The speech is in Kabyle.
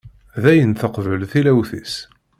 Dayen teqbel tillawt-is.